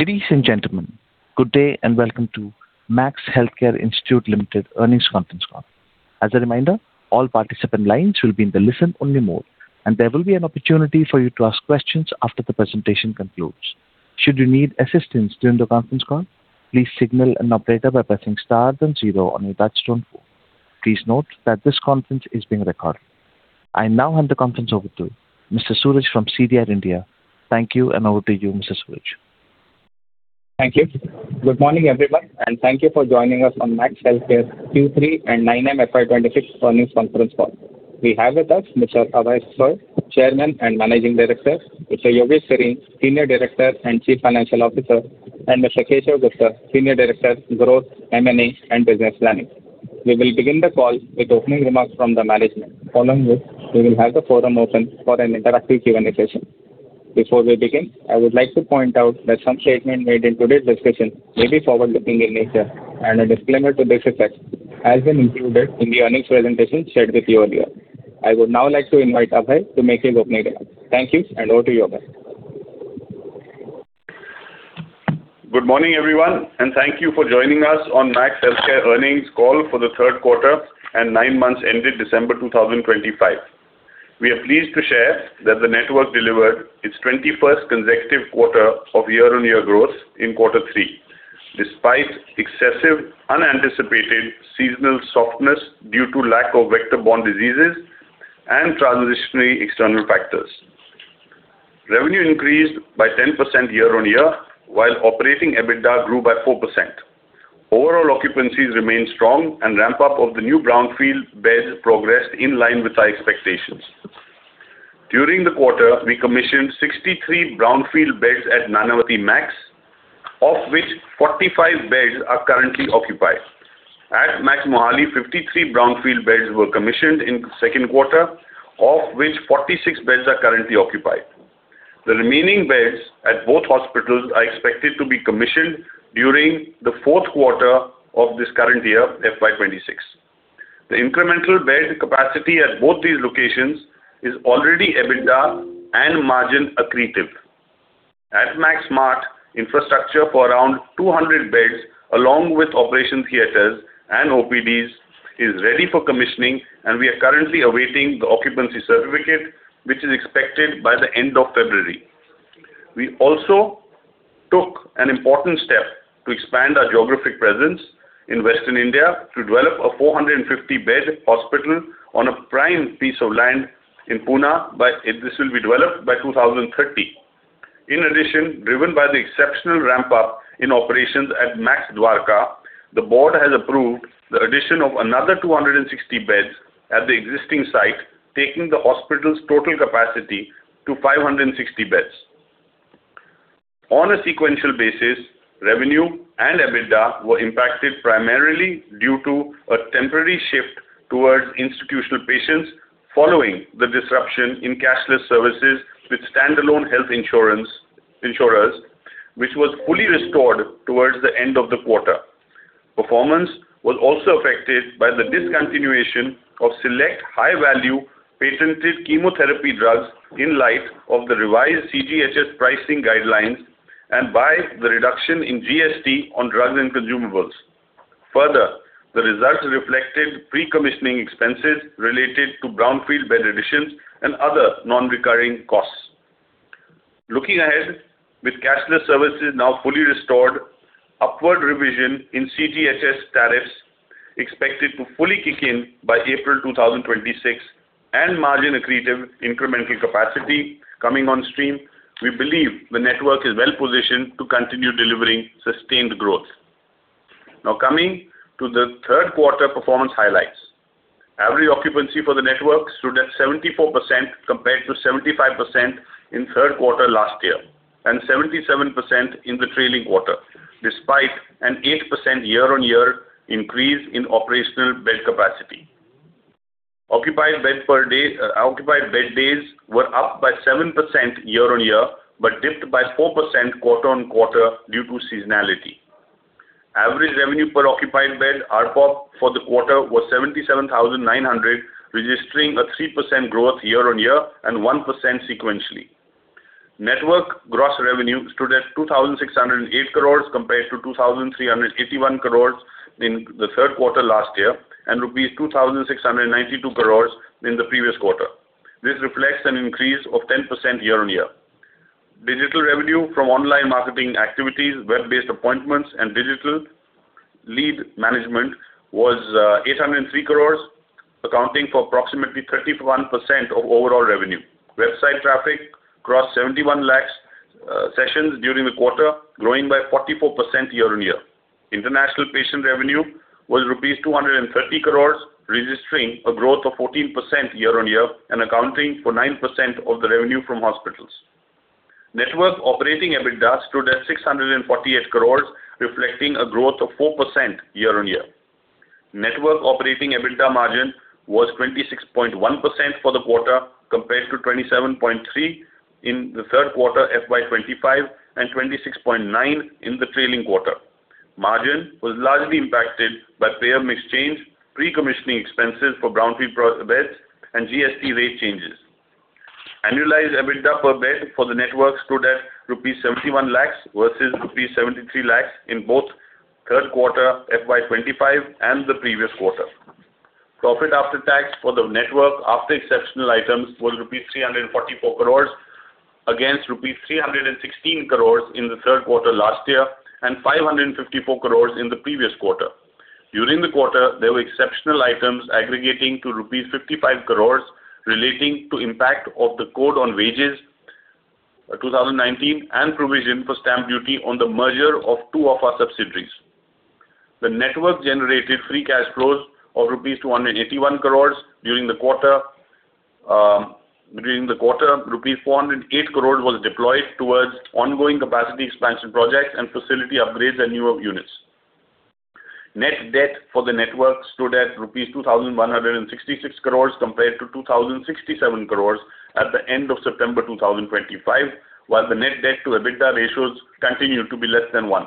Ladies and gentlemen, good day and welcome to Max Healthcare Institute Limited earnings conference call. As a reminder, all participant lines will be in the listen-only mode, and there will be an opportunity for you to ask questions after the presentation concludes. Should you need assistance during the conference call, please signal an operator by pressing star then zero on your touch-tone phone. Please note that this conference is being recorded. I now hand the conference over to Mr. Suraj from CDR India. Thank you, and over to you, Mr. Suraj. Thank you. Good morning, everyone, and thank you for joining us on Max Healthcare Q3 and 9M FY26 earnings conference call. We have with us Mr. Abhay Soi, Chairman and Managing Director, Mr. Yogesh Sareen, Senior Director and Chief Financial Officer, and Mr. Keshav Gupta, Senior Director, Growth, M&A, and Business Planning. We will begin the call with opening remarks from the management, following which we will have the forum open for an interactive Q&A session. Before we begin, I would like to point out that some statements made in today's discussion may be forward-looking in nature, and a disclaimer to this effect has been included in the earnings presentation shared with you earlier. I would now like to invite Abhay to make his opening remarks. Thank you, and over to you, Abhay. Good morning, everyone, and thank you for joining us on Max Healthcare earnings call for the third quarter and nine months ended December 2025. We are pleased to share that the network delivered its 21st consecutive quarter of year-on-year growth in Q3, despite excessive unanticipated seasonal softness due to lack of vector-borne diseases and transitory external factors. Revenue increased by 10% year-on-year, while operating EBITDA grew by 4%. Overall occupancies remained strong, and ramp-up of the new brownfield beds progressed in line with our expectations. During the quarter, we commissioned 63 brownfield beds at Nanavati Max, of which 45 beds are currently occupied. At Max Mohali, 53 brownfield beds were commissioned in the second quarter, of which 46 beds are currently occupied. The remaining beds at both hospitals are expected to be commissioned during the fourth quarter of this current year, FY 2026. The incremental bed capacity at both these locations is already EBITDA and margin accretive. At Max Saket, infrastructure for around 200 beds, along with operating theaters and OPDs, is ready for commissioning, and we are currently awaiting the occupancy certificate, which is expected by the end of February. We also took an important step to expand our geographic presence in Western India to develop a 450-bed hospital on a prime piece of land in Pune, and this will be developed by 2030. In addition, driven by the exceptional ramp-up in operations at Max Dwarka, the board has approved the addition of another 260 beds at the existing site, taking the hospital's total capacity to 560 beds. On a sequential basis, revenue and EBITDA were impacted primarily due to a temporary shift towards institutional patients following the disruption in cashless services with standalone health insurers, which was fully restored towards the end of the quarter. Performance was also affected by the discontinuation of select high-value patented chemotherapy drugs in light of the revised CGHS pricing guidelines and by the reduction in GST on drugs and consumables. Further, the results reflected pre-commissioning expenses related to brownfield bed additions and other non-recurring costs. Looking ahead, with cashless services now fully restored, upward revision in CGHS tariffs expected to fully kick in by April 2026, and margin accretive incremental capacity coming on stream, we believe the network is well-positioned to continue delivering sustained growth. Now, coming to the third quarter performance highlights. Average occupancy for the network stood at 74% compared to 75% in third quarter last year and 77% in the trailing quarter, despite an 8% year-over-year increase in operational bed capacity. Occupied bed days were up by 7% year-over-year but dipped by 4% quarter-over-quarter due to seasonality. Average revenue per occupied bed (ARPOB) for the quarter was 77,900, registering a 3% growth year-over-year and 1% sequentially. Network gross revenue stood at 2,608 crore compared to 2,381 crore in the third quarter last year and rupees 2,692 crore in the previous quarter. This reflects an increase of 10% year-over-year. Digital revenue from online marketing activities, web-based appointments, and digital lead management was 803 crore, accounting for approximately 31% of overall revenue. Website traffic crossed 7,100,000 sessions during the quarter, growing by 44% year-over-year. International patient revenue was rupees 230 crore, registering a growth of 14% year-on-year and accounting for 9% of the revenue from hospitals. Network operating EBITDA stood at 648 crore, reflecting a growth of 4% year-on-year. Network operating EBITDA margin was 26.1% for the quarter compared to 27.3% in the third quarter FY25 and 26.9% in the trailing quarter. Margin was largely impacted by payer mix change, pre-commissioning expenses for brownfield beds, and GST rate changes. Annualized EBITDA per bed for the network stood at rupees 71 lakh versus rupees 73 lakh in both third quarter FY25 and the previous quarter. Profit after tax for the network after exceptional items was rupees 344 crore against rupees 316 crore in the third quarter last year and 554 crore in the previous quarter. During the quarter, there were exceptional items aggregating to rupees 55 crore relating to impact of the Code on Wages 2019 and provision for stamp duty on the merger of two of our subsidiaries. The network generated free cash flows of rupees 281 crore during the quarter. Rupees 408 crore was deployed towards ongoing capacity expansion projects and facility upgrades and newer units. Net debt for the network stood at rupees 2,166 crore compared to 2,067 crore at the end of September 2025, while the net debt-to-EBITDA ratios continued to be less than one.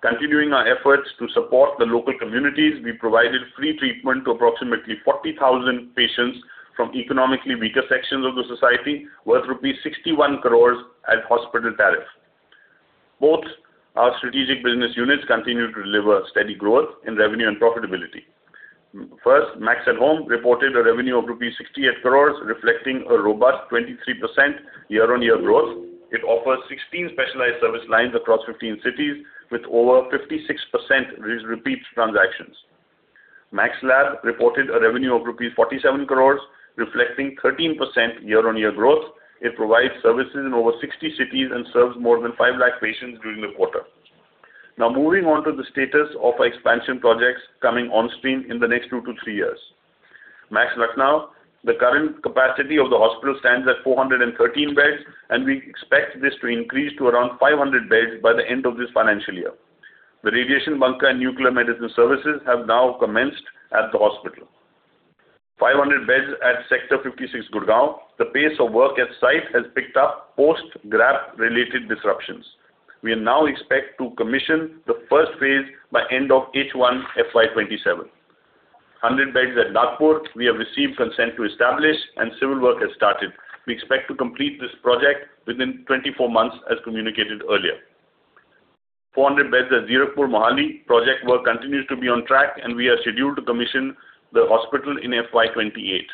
Continuing our efforts to support the local communities, we provided free treatment to approximately 40,000 patients from economically weaker sections of the society, worth INR 61 crore at hospital tariff. Both our strategic business units continue to deliver steady growth in revenue and profitability. First, Max@Home reported a revenue of rupees 68 crore, reflecting a robust 23% year-on-year growth. It offers 16 specialized service lines across 15 cities, with over 56% repeat transactions. Max Lab reported a revenue of rupees 47 crore, reflecting 13% year-on-year growth. It provides services in over 60 cities and serves more than 5 lakh patients during the quarter. Now, moving on to the status of our expansion projects coming on stream in the next two to three years. Max Lucknow, the current capacity of the hospital stands at 413 beds, and we expect this to increase to around 500 beds by the end of this financial year. The radiation bunker and nuclear medicine services have now commenced at the hospital. 500 beds at Sector 56, Gurugram. The pace of work at site has picked up post-GRAP-related disruptions. We now expect to commission the first phase by the end of H1 FY 2027. 100 beds at Nagpur, we have received consent to establish, and civil work has started. We expect to complete this project within 24 months, as communicated earlier. 400 beds at Zirakpur Mohali, project work continues to be on track, and we are scheduled to commission the hospital in FY28.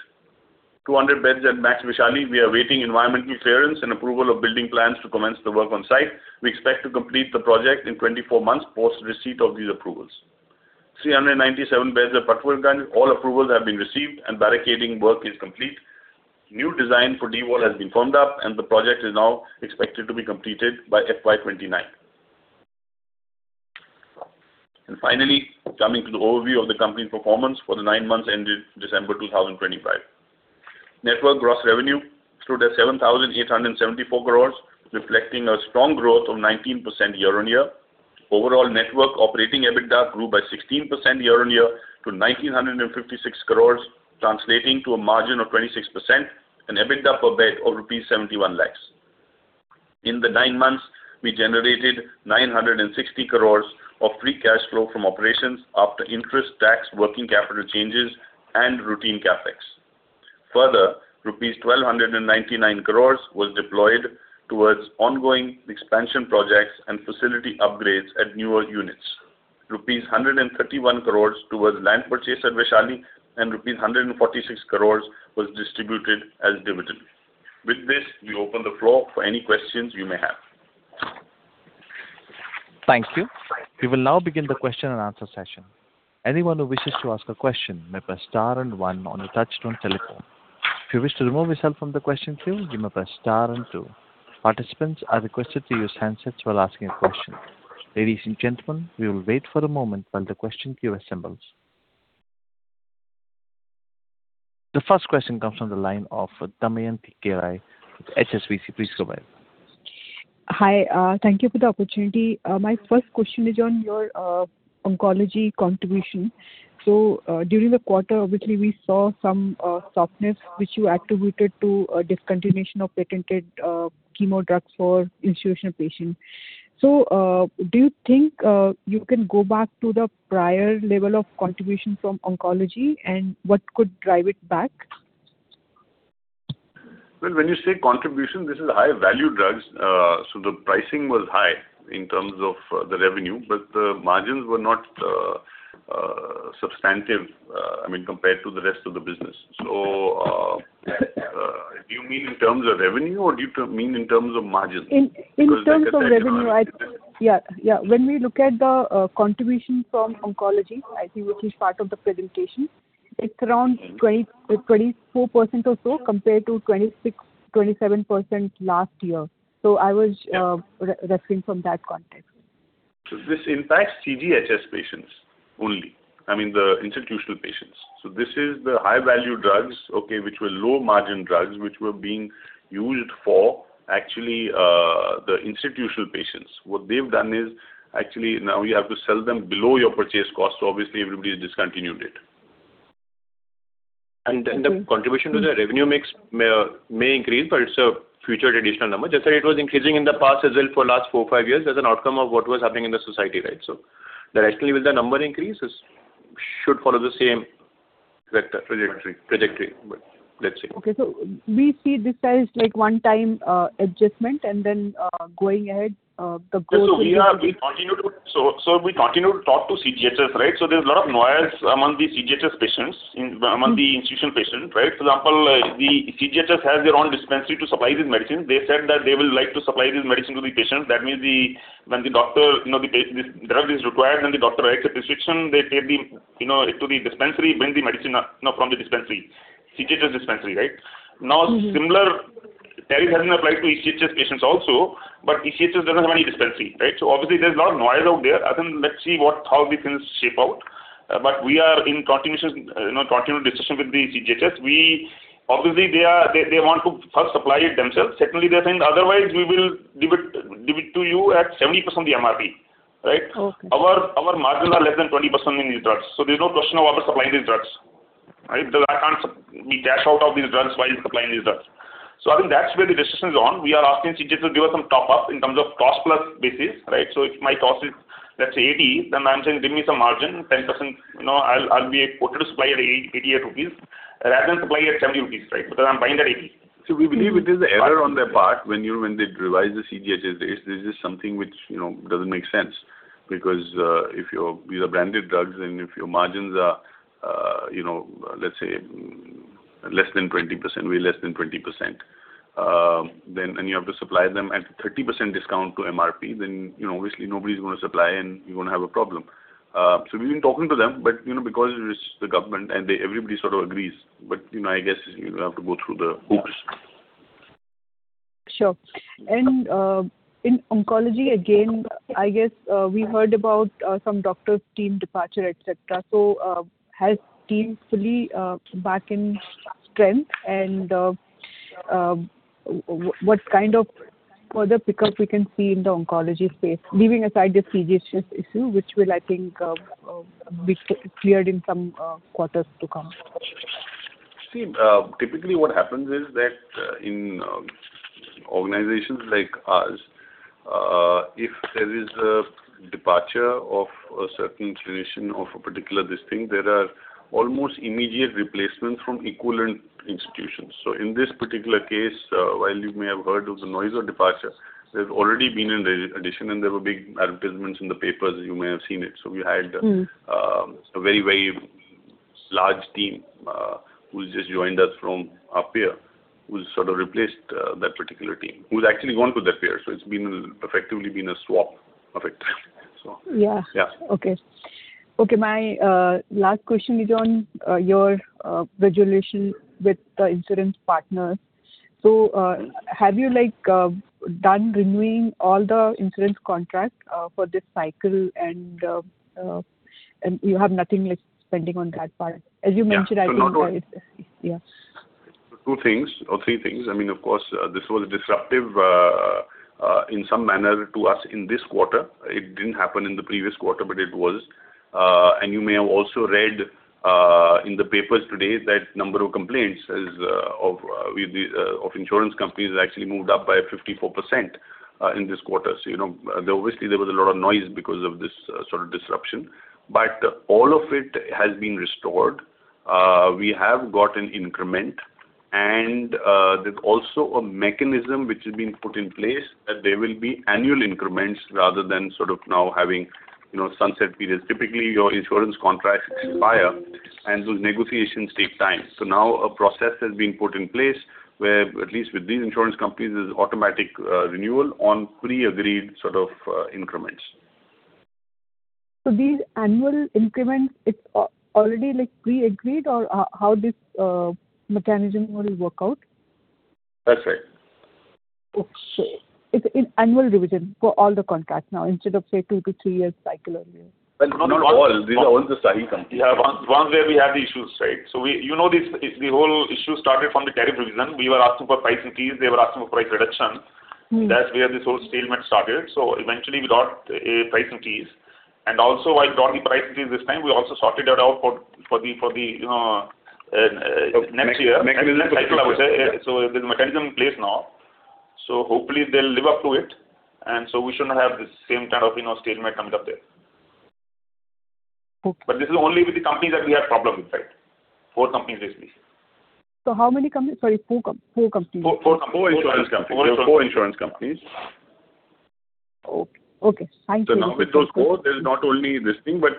200 beds at Max Vaishali, we are awaiting environmental clearance and approval of building plans to commence the work on site. We expect to complete the project in 24 months post-receipt of these approvals. 397 beds at Patparganj, all approvals have been received, and barricading work is complete. New design for D-wall has been firmed up, and the project is now expected to be completed by FY29. Finally, coming to the overview of the company's performance for the nine months ended December 2025. Network gross revenue stood at 7,874 crore, reflecting a strong growth of 19% year-on-year. Overall network operating EBITDA grew by 16% year-on-year to 1,956 crore, translating to a margin of 26% and EBITDA per bed of rupees 71 lakh. In the nine months, we generated 960 crore of free cash flow from operations after interest, tax, working capital changes, and routine CapEx. Further, rupees 1,299 crore was deployed towards ongoing expansion projects and facility upgrades at newer units, rupees 131 crore towards land purchase at Vaishali, and rupees 146 crore was distributed as dividend. With this, we open the floor for any questions you may have. Thank you. We will now begin the Q&A session. Anyone who wishes to ask a question may press star and one on your touch-tone telephone. If you wish to remove yourself from the question queue, you may press star and two. Participants are requested to use handsets while asking a question. Ladies and gentlemen, we will wait for a moment while the question queue assembles. The first question comes from the line of Damayanti Kerai with HSBC. Please go ahead. Hi. Thank you for the opportunity. My first question is on your oncology contribution. So during the quarter, obviously, we saw some softness, which you attributed to discontinuation of patented chemo drugs for institutional patients. So do you think you can go back to the prior level of contribution from oncology, and what could drive it back? Well, when you say contribution, this is high-value drugs. So the pricing was high in terms of the revenue, but the margins were not substantive, I mean, compared to the rest of the business. So do you mean in terms of revenue, or do you mean in terms of margins? In terms of revenue, I think yeah. Yeah. When we look at the contribution from oncology, I think which is part of the presentation, it's around 24% or so compared to 26%-27% last year. So I was referring from that context. So this impacts CGHS patients only, I mean, the institutional patients. So this is the high-value drugs, okay, which were low-margin drugs, which were being used for actually the institutional patients. What they've done is actually now you have to sell them below your purchase cost. So obviously, everybody's discontinued it. And the contribution to the revenue mix may increase, but it's a future traditional number. Just like it was increasing in the past as well for the last four, five years as an outcome of what was happening in the society, right? So directionally, will the number increase? It should follow the same trajectory, but let's see. Okay. We see this as one-time adjustment, and then going ahead, the growth will be continued. So we continue to talk to CGHS, right? So there's a lot of noise among the CGHS patients, among the institutional patients, right? For example, the CGHS has their own dispensary to supply these medicines. They said that they will like to supply these medicines to the patients. That means when the doctor this drug is required, then the doctor writes a prescription. They take it to the dispensary, bring the medicine from the dispensary, CGHS dispensary, right? Now, similar tariffs have been applied to ECHS patients also, but ECHS doesn't have any dispensary, right? So obviously, there's a lot of noise out there. I think let's see how these things shape out. But we are in continuous discussion with the CGHS. Obviously, they want to first supply it themselves. Certainly, they are saying, "Otherwise, we will deliver to you at 70% of the MRP," right? Our margins are less than 20% in these drugs. So there's no question of oversupplying these drugs, right? I can't be cashed out of these drugs while supplying these drugs. So I think that's where the discussion is on. We are asking CGHS to give us some top-up in terms of cost-plus basis, right? So if my cost is, let's say, 80, then I'm saying, "Give me some margin, 10%. I'll be quoted to supply at 88 rupees rather than supply at 70 rupees," right? Because I'm buying at 80. See, we believe it is an error on their part when they revise the CGHS rates. This is something which doesn't make sense because if these are branded drugs, and if your margins are, let's say, less than 20%, way less than 20%, then and you have to supply them at a 30% discount to MRP, then obviously, nobody's going to supply, and you're going to have a problem. So we've been talking to them, but because it's the government and everybody sort of agrees, but I guess you have to go through the hoops. Sure. And in oncology, again, I guess we heard about some doctors' team departure, etc. So has the team fully back in strength, and what kind of further pickup we can see in the oncology space, leaving aside the CGHS issue, which will, I think, be cleared in some quarters to come? See, typically, what happens is that in organizations like ours, if there is a departure of a certain clinician of a particular discipline, there are almost immediate replacements from equivalent institutions. So in this particular case, while you may have heard of the noise of departure, there's already been an addition, and there were big advertisements in the papers. You may have seen it. So we had a very, very large team who just joined us from a peer who sort of replaced that particular team, who's actually gone to that peer. So it's effectively been a swap effect, so. Yeah. My last question is on your graduation with the insurance partners. So have you done renewing all the insurance contracts for this cycle, and you have nothing pending on that part? As you mentioned, I think it's yeah. Two things or three things. I mean, of course, this was disruptive in some manner to us in this quarter. It didn't happen in the previous quarter, but it was. You may have also read in the papers today that number of complaints of insurance companies has actually moved up by 54% in this quarter. Obviously, there was a lot of noise because of this sort of disruption. All of it has been restored. We have got an increment, and there's also a mechanism which has been put in place that there will be annual increments rather than sort of now having sunset periods. Typically, your insurance contracts expire, and those negotiations take time. Now a process has been put in place where, at least with these insurance companies, there's automatic renewal on pre-agreed sort of increments. These annual increments, it's already pre-agreed, or how this mechanism will work out? That's right. Okay. It's an annual revision for all the contracts now instead of, say two to three years cycle earlier? Well, not all. These are only the PSU companies. Ones where we had the issues, right? So you know the whole issue started from the tariff revision. We were asking for price increase. They were asking for price reduction. That's where this whole stalemate started. So eventually, we got a price increase. And also, while we got the price increase this time, we also sorted it out for the next year. Next cycle, I would say. So there's a mechanism in place now. So hopefully, they'll live up to it. And so we shouldn't have the same kind of stalemate coming up there. But this is only with the companies that we had problem with, right? Four companies, basically. How many companies? Sorry, four companies. Four insurance companies. Four insurance companies. Okay. Okay. Thank you. So now with those four, there's not only this thing, but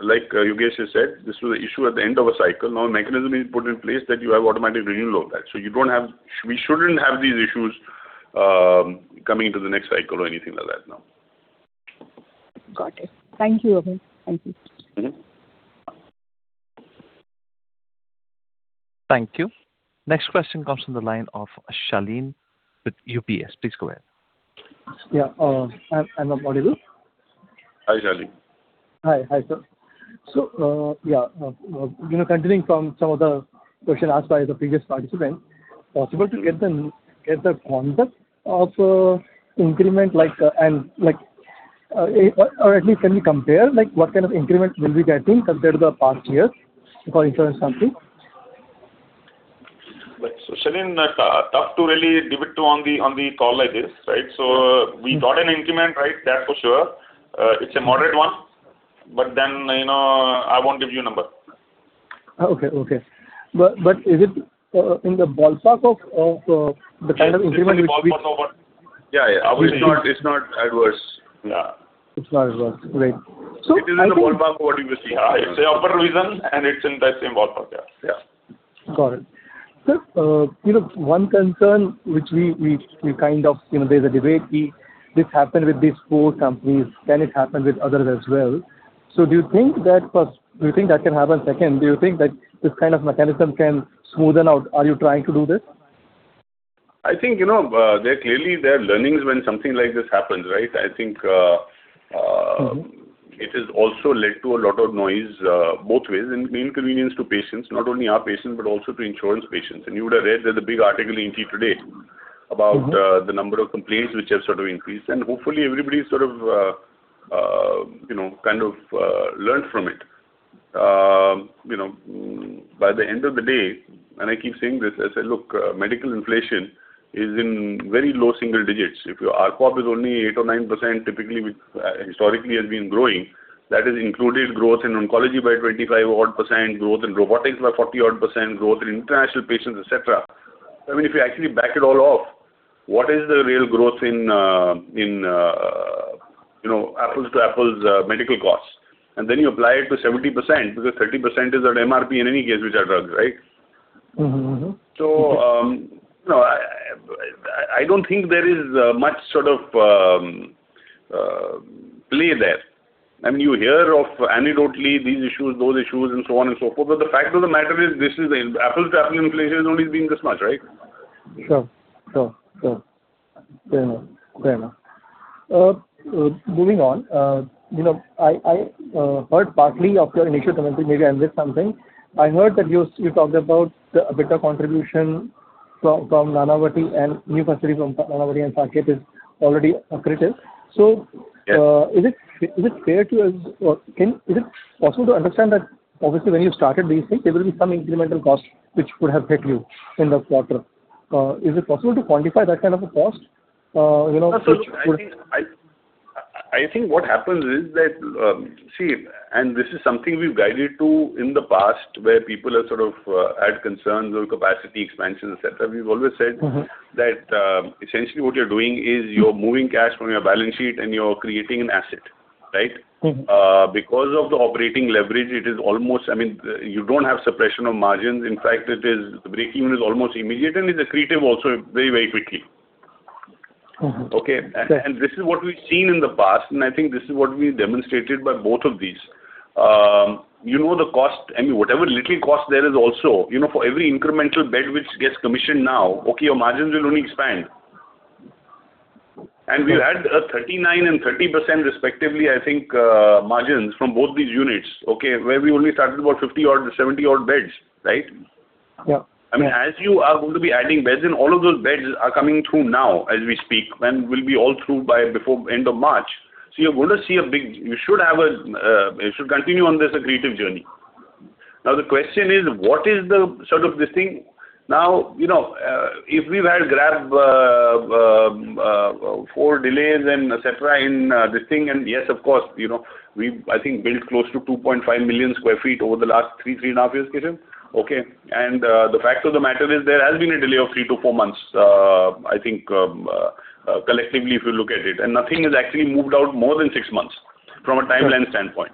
like Yogesh has said, this was an issue at the end of a cycle. Now a mechanism is put in place that you have automatic renewal of that. So we shouldn't have these issues coming into the next cycle or anything like that now. Got it. Thank you, Abhay. Thank you. Thank you. Next question comes from the line of Shaleen with UBS. Please go ahead. Yeah. I'm audible? Hi, Shaleen. Hi. Hi, sir. So yeah, continuing from some of the questions asked by the previous participants, possible to get the concept of increment, or at least can we compare what kind of increment will we get in compared to the past years for insurance companies? So Shaleen, tough to really decide on the call like this, right? So we got an increment, right? That's for sure. It's a moderate one, but then I won't give you a number. Okay. Okay. But is it in the ballpark of the kind of increment which we? It's in the ballpark of what? Yeah, yeah. It's not adverse. Yeah. It's not adverse. Great. So. It is in the ballpark of what you will see. It's an upper revision, and it's in that same ballpark, yeah. Yeah. Got it. Sir, one concern which we kind of, there's a debate. This happened with these four companies. Can it happen with others as well? So do you think that first, do you think that can happen? Second, do you think that this kind of mechanism can smoothen out? Are you trying to do this? I think clearly, there are learnings when something like this happens, right? I think it has also led to a lot of noise both ways and inconvenience to patients, not only our patients but also to insurance patients. And you would have read there's a big article in ET today about the number of complaints which have sort of increased. And hopefully, everybody sort of kind of learned from it. By the end of the day and I keep saying this. I say, "Look, medical inflation is in very low single digits. If your ARPOB is only 8% or 9%, typically, which historically has been growing, that has included growth in oncology by 25-odd %, growth in robotics by 40-odd %, growth in international patients, etc. So I mean, if you actually back it all off, what is the real growth in apples-to-apples medical costs? Then you apply it to 70% because 30% is at MRP in any case, which are drugs, right? So I don't think there is much sort of play there. I mean, you hear anecdotally these issues, those issues, and so on and so forth. But the fact of the matter is, apples-to-apples inflation has only been this much, right? Sure. Sure. Sure. Fair enough. Fair enough. Moving on, I heard part of your initial commentary. Maybe I missed something. I heard that you talked about a better contribution from Nanavati and new facility from Nanavati and Saket is already accretive. So is it fair to us or is it possible to understand that obviously, when you started these things, there will be some incremental cost which would have hit you in the quarter? Is it possible to quantify that kind of a cost which would? So I think what happens is that see, and this is something we've guided to in the past where people have sort of had concerns or capacity expansions, etc. We've always said that essentially, what you're doing is you're moving cash from your balance sheet, and you're creating an asset, right? Because of the operating leverage, it is almost I mean, you don't have suppression of margins. In fact, the breakeven is almost immediate, and it's accretive also very, very quickly, okay? And this is what we've seen in the past, and I think this is what we demonstrated by both of these. The cost, I mean, whatever little cost there is also, for every incremental bed which gets commissioned now, okay, your margins will only expand. And we've had 39% and 30%, respectively, I think, margins from both these units, okay, where we only started about 50-odd, 70-odd beds, right? I mean, as you are going to be adding beds, and all of those beds are coming through now as we speak and will be all through before end of March. So you're going to see a big you should have a you should continue on this accretive journey. Now, the question is, what is the sort of this thing? Now, if we've had GRAP for delays and etc. in this thing, and yes, of course, we've, I think, built close to 2.5 million sq ft over the last three, three and a half years, Keshav, okay? And the fact of the matter is, there has been a delay of three to four months, I think, collectively if you look at it. Nothing has actually moved out more than six months from a timeline standpoint.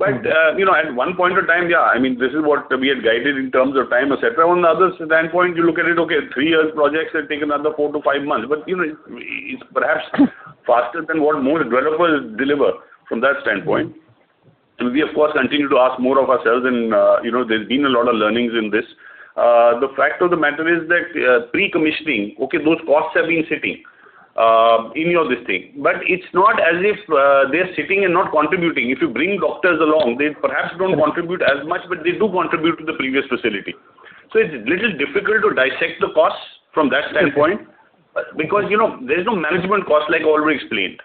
At one point in time, yeah, I mean, this is what we had guided in terms of time, etc. On the other standpoint, you look at it, okay, three year projects that take another four to five months, but it's perhaps faster than what most developers deliver from that standpoint. We, of course, continue to ask more of ourselves, and there's been a lot of learnings in this. The fact of the matter is that pre-commissioning, okay, those costs have been sitting in your distinct, but it's not as if they're sitting and not contributing. If you bring doctors along, they perhaps don't contribute as much, but they do contribute to the previous facility. So it's a little difficult to dissect the costs from that standpoint because there's no management cost like I already explained,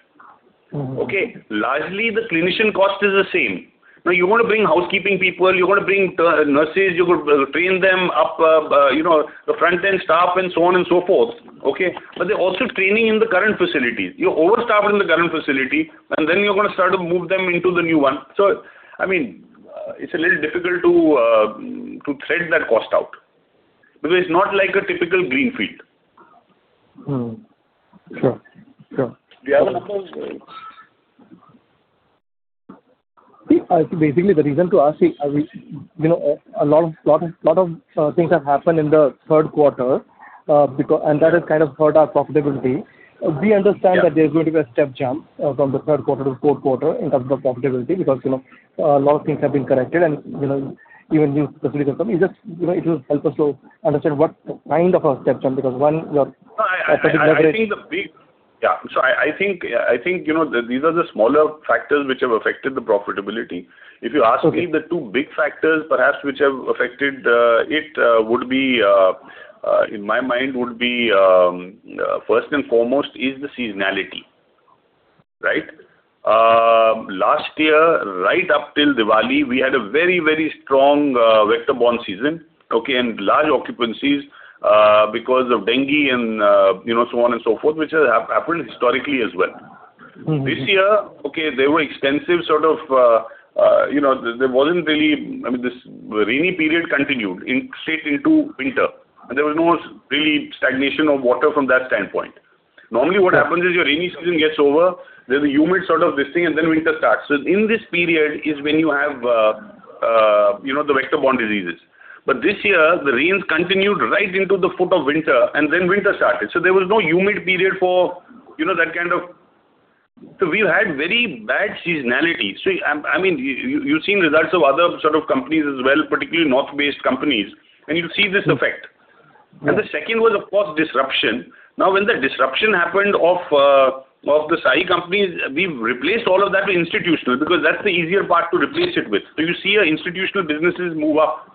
okay? Largely, the clinician cost is the same. Now, you're going to bring housekeeping people. You're going to bring nurses. You're going to train them up, the front-end staff, and so on and so forth, okay? But they're also training in the current facilities. You're overstaffed in the current facility, and then you're going to start to move them into the new one. So I mean, it's a little difficult to thread that cost out because it's not like a typical greenfield. Sure. Sure. See, basically, the reason to ask, see, a lot of things have happened in the third quarter, and that has kind of hurt our profitability. We understand that there's going to be a step jump from the third quarter to the fourth quarter in terms of profitability because a lot of things have been corrected, and even new specific companies. It will help us to understand what kind of a step jump because one, your operating leverage. No, I think the big yeah. So I think these are the smaller factors which have affected the profitability. If you ask me the two big factors perhaps which have affected it, in my mind, would be first and foremost is the seasonality, right? Last year, right up till Diwali, we had a very, very strong vector-borne season, okay, and large occupancies because of dengue and so on and so forth, which has happened historically as well. This year, okay, there wasn't really I mean, this rainy period continued straight into winter, and there was no real stagnation of water from that standpoint. Normally, what happens is your rainy season gets over. There's a humid sort of distinct, and then winter starts. So in this period is when you have the vector-borne diseases. But this year, the rains continued right into the foot of winter, and then winter started. So there was no humid period for that kind of so we've had very bad seasonality. So I mean, you've seen results of other sort of companies as well, particularly north-based companies, and you'll see this effect. And the second was, of course, disruption. Now, when the disruption happened of the SAHI companies, we've replaced all of that with institutional because that's the easier part to replace it with. So you see your institutional businesses move up,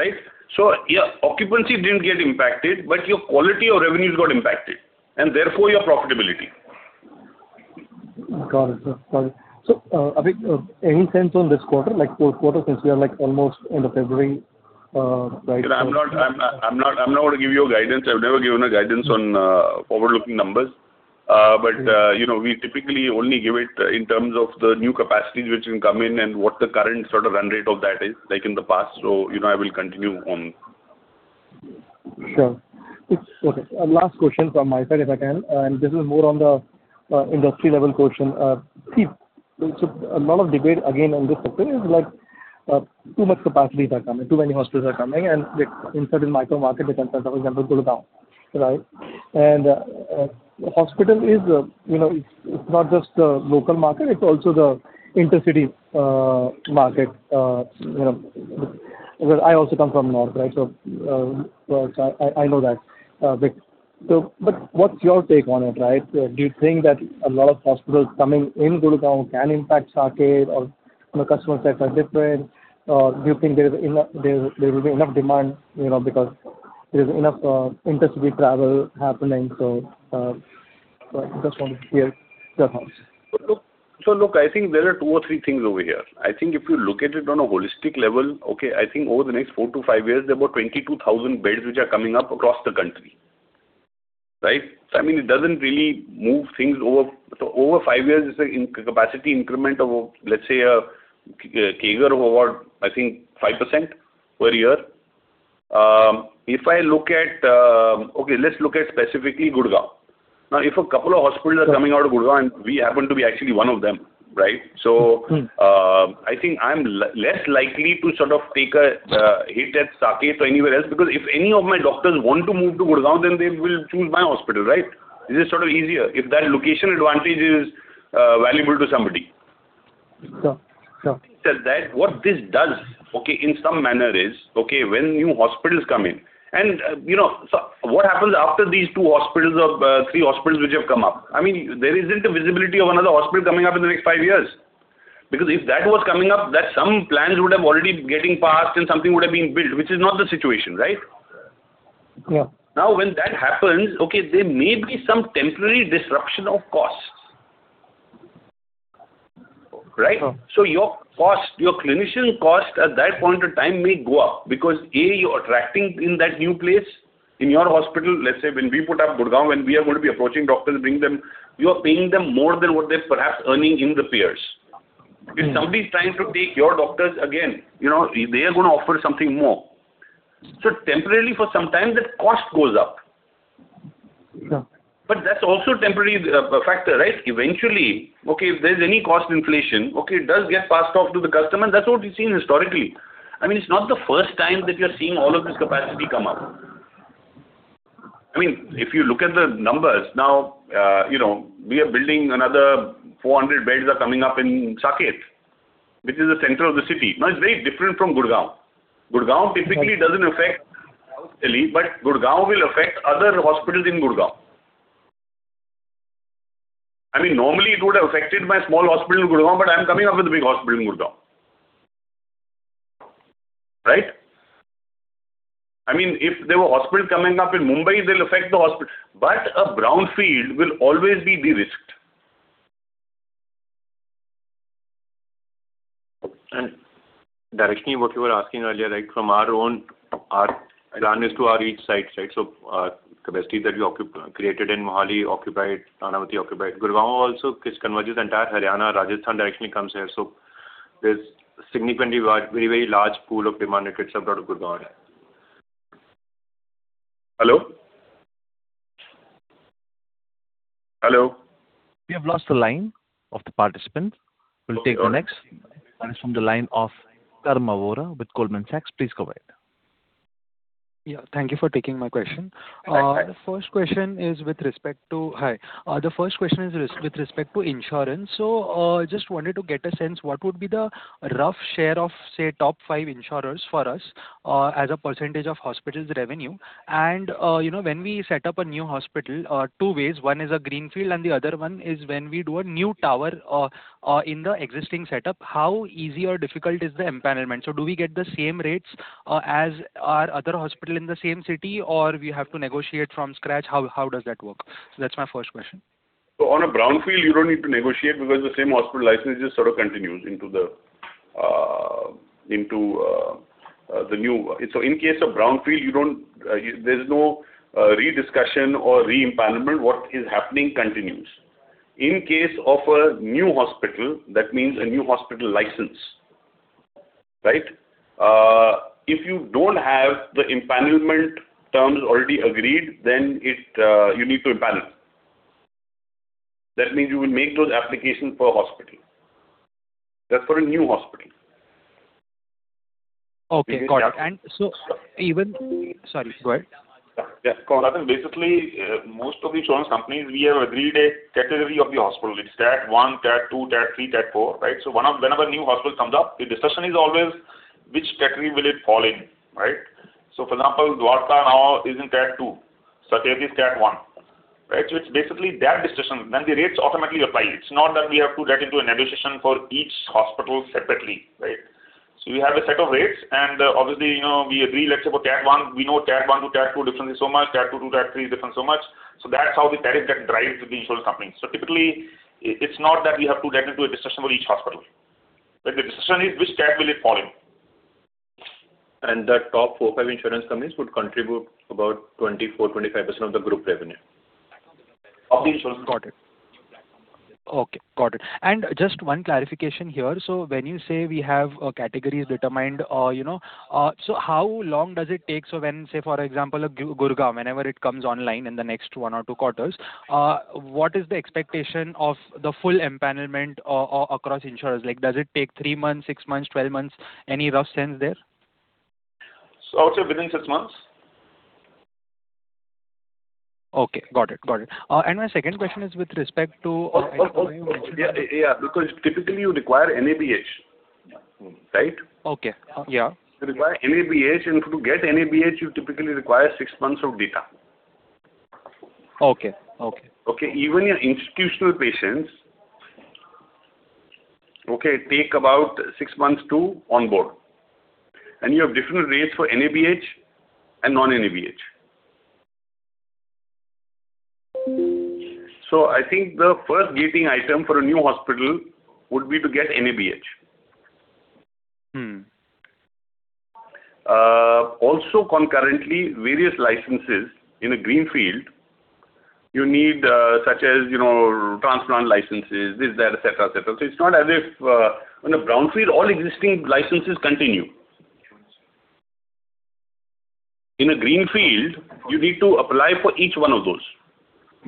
right? So your occupancy didn't get impacted, but your quality of revenues got impacted, and therefore, your profitability. Got it, sir. Got it. So Abhay, any sense on this quarter, like fourth quarter, since we are almost end of February, right? Yeah. I'm not going to give you a guidance. I've never given a guidance on forward-looking numbers. But we typically only give it in terms of the new capacities which can come in and what the current sort of run rate of that is like in the past. So I will continue on. Sure. Okay. Last question from my side, if I can. And this is more on the industry-level question. See, so a lot of debate, again, in this sector is too much capacity is coming, too many hospitals are coming, and inside the micro-market, the concerns, for example, Gurgaon, right? And hospital, it's not just the local market. It's also the intercity market because I also come from north, right? So I know that. But what's your take on it, right? Do you think that a lot of hospitals coming in Gurugram can impact Saket, or customer sets are different? Or do you think there will be enough demand because there is enough intercity travel happening? So I just wanted to hear your thoughts. So look, I think there are two or three things over here. I think if you look at it on a holistic level, okay, I think over the next four to five years, there are about 22,000 beds which are coming up across the country, right? So I mean, it doesn't really move things over so over five years, it's a capacity increment of, let's say, a CAGR of about, I think, 5% per year. If I look at okay, let's look at specifically Gurugram. Now, if a couple of hospitals are coming up in Gurugram, and we happen to be actually one of them, right? So I think I'm less likely to sort of take a hit at Saket or anywhere else because if any of my doctors want to move to Gurugram, then they will choose my hospital, right? This is sort of easier if that location advantage is valuable to somebody. Sure. Sure. That said that, what this does, okay, in some manner is, okay, when new hospitals come in and so what happens after these two hospitals or three hospitals which have come up? I mean, there isn't a visibility of another hospital coming up in the next five years because if that was coming up, some plans would have already been getting passed, and something would have been built, which is not the situation, right? Now, when that happens, okay, there may be some temporary disruption of costs, right? So your clinician cost at that point in time may go up because, A, you're attracting in that new place in your hospital. Let's say when we put up Gurugram, when we are going to be approaching doctors, bring them you are paying them more than what they're perhaps earning in the peers. If somebody's trying to take your doctors again, they are going to offer something more. So temporarily, for some time, that cost goes up. But that's also a temporary factor, right? Eventually, okay, if there's any cost inflation, okay, it does get passed off to the customer. And that's what we've seen historically. I mean, it's not the first time that you're seeing all of this capacity come up. I mean, if you look at the numbers now, we are building another 400 beds are coming up in Saket, which is the center of the city. Now, it's very different from Gurugram. Gurugram typically doesn't affect outreach, but Gurugram will affect other hospitals in Gurugram. I mean, normally, it would have affected my small hospital in Gurugram, but I'm coming up with a big hospital in Gurugram, right? I mean, if there were hospitals coming up in Mumbai, they'll affect the hospital. But a brownfield will always be the risk. Shaleen what you were asking earlier, right, from our own, our plan is to at each site, right? So capacity that you created in Mohali, occupied, Nanavati, occupied. Gurugram also covers the entire Haryana, Rajasthan directionally comes here. So there's significantly, very, very large pool of demand that gets absorbed by Gurugram. Hello? Hello? We have lost the line of the participant. We'll take the next. It is from the line of Karan Vora with Goldman Sachs. Please go ahead. Yeah. Thank you for taking my question. The first question is with respect to insurance. So I just wanted to get a sense, what would be the rough share of, say, top five insurers for us as a percentage of hospitals' revenue? And when we set up a new hospital, two ways. One is a greenfield, and the other one is when we do a new tower in the existing setup, how easy or difficult is the empanelment? So do we get the same rates as our other hospital in the same city, or we have to negotiate from scratch? How does that work? So that's my first question. So on a brownfield, you don't need to negotiate because the same hospital license just sort of continues into the new so in case of brownfield, there's no rediscussion or re-empanelment. What is happening continues. In case of a new hospital, that means a new hospital license, right? If you don't have the empanelment terms already agreed, then you need to empanel. That means you will make those applications for a hospital. That's for a new hospital. Okay. Got it. And so even sorry. Go ahead. Yeah. Yeah. Go on. Basically, most of the insurance companies, we have agreed a category of the hospital. It's Cat 1, Cat 2, Cat 3, Cat 4, right? So whenever a new hospital comes up, the discussion is always, which category will it fall in, right? So for example, Dwarka now is in Cat 2. Saket is Cat 1, right? So it's basically that discussion. Then the rates automatically apply. It's not that we have to get into a negotiation for each hospital separately, right? So you have a set of rates, and obviously, we agree, let's say, for Cat 1. We know Cat 1 to Cat 2 difference is so much. Cat 2 to Cat3 is different so much. So that's how the tariff gets driven to the insurance companies. So typically, it's not that we have to get into a discussion for each hospital. The discussion is, which Cat will it fall in? The top four to five insurance companies would contribute about 24%-25% of the group revenue of the insurance companies. Got it. Okay. Got it. And just one clarification here. So when you say we have categories determined, so how long does it take? So when, say, for example, Gurugram, whenever it comes online in the next 1 or 2 quarters, what is the expectation of the full empanelment across insurers? Does it take 3 months, 6 months, 12 months? Any rough sense there? I would say within six months. Okay. Got it. Got it. My second question is with respect to you mentioned. Yeah. Yeah. Because typically, you require NABH, right? Okay. Yeah. You require NABH, and to get NABH, you typically require six months of data. Okay. Okay. Okay. Even your institutional patients, okay, take about six months to onboard. And you have different rates for NABH and non-NABH. So I think the first gating item for a new hospital would be to get NABH. Also, concurrently, various licenses in a greenfield, you need such as transplant licenses, this, that, etc., etc. So it's not as if on a brownfield, all existing licenses continue. In a greenfield, you need to apply for each one of those: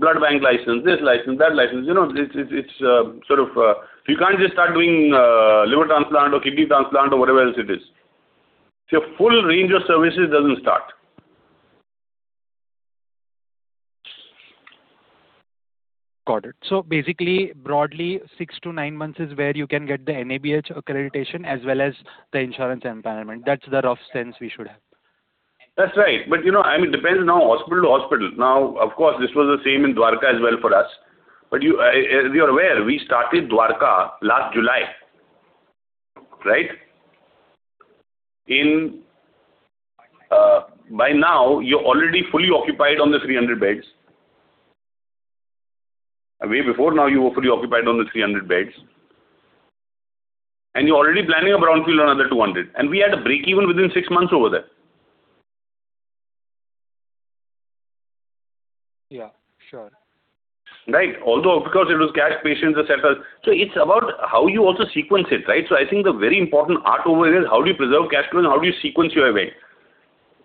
blood bank license, this license, that license. It's sort of so you can't just start doing liver transplant or kidney transplant or whatever else it is. So your full range of services doesn't start. Got it. So basically, broadly, six to nine months is where you can get the NABH accreditation as well as the insurance empanelment. That's the rough sense we should have. That's right. But I mean, it depends now hospital to hospital. Now, of course, this was the same in Dwarka as well for us. But you're aware, we started Dwarka last July, right? By now, you're already fully occupied on the 300 beds. A way before now, you were fully occupied on the 300 beds. And you're already planning a brownfield on another 200. And we had a break-even within six months over there. Yeah. Sure. Right? Although because it was cash patients, etc. So it's about how you also sequence it, right? So I think the very important art over here is how do you preserve cash flow, and how do you sequence your event?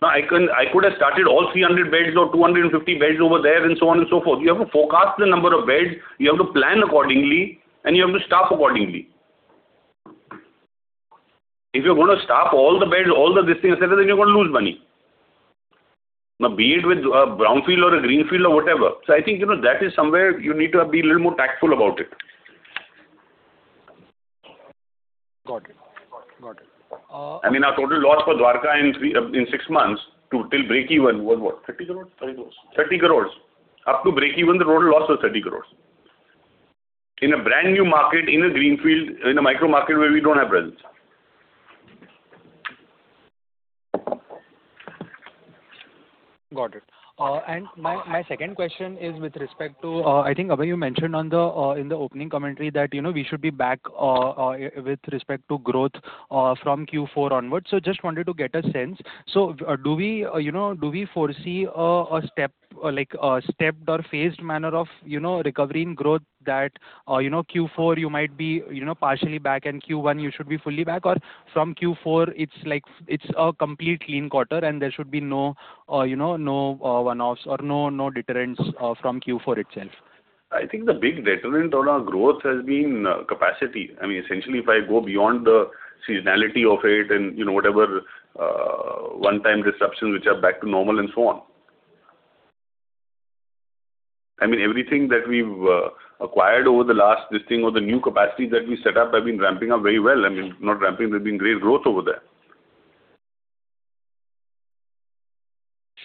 Now, I could have started all 300 beds or 250 beds over there and so on and so forth. You have to forecast the number of beds. You have to plan accordingly, and you have to staff accordingly. If you're going to staff all the beds, all this thing, etc., then you're going to lose money. Now, be it with a brownfield or a greenfield or whatever. So I think that is somewhere you need to be a little more tactful about it. Got it. Got it. Got it. I mean, our total loss for Dwarka in six months till break-even was what? 30 crore. 30 crore. Up to break-even, the total loss was 30 crore. In a brand new market, in a greenfield, in a micro-market where we don't have presence. Got it. My second question is with respect to I think, Abhay, you mentioned in the opening commentary that we should be back with respect to growth from Q4 onwards. I just wanted to get a sense. Do we foresee a stepped or phased manner of recovery in growth that Q4, you might be partially back, and Q1, you should be fully back? Or from Q4, it's a complete clean quarter, and there should be no one-offs or no deterrents from Q4 itself? I think the big deterrent on our growth has been capacity. I mean, essentially, if I go beyond the seasonality of it and whatever one-time disruptions, which are back to normal and so on, I mean, everything that we've acquired over the last this thing or the new capacity that we set up have been ramping up very well. I mean, not ramping, there's been great growth over there.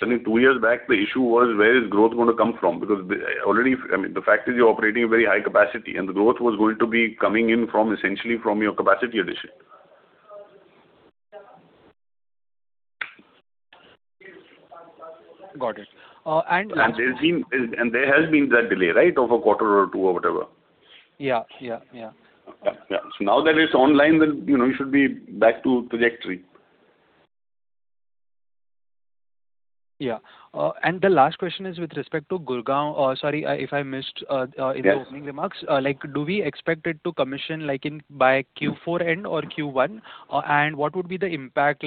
I mean, two years back, the issue was, where is growth going to come from? Because already, I mean, the fact is you're operating a very high capacity, and the growth was going to be coming in essentially from your capacity addition. Got it. And last. There has been that delay, right, of a quarter or two or whatever. Yeah. Yeah. Yeah. Yeah. Yeah. So now that it's online, then you should be back to trajectory. Yeah. The last question is with respect to Gurugram, sorry, if I missed in the opening remarks. Do we expect it to commission by Q4 end or Q1? And what would be the impact,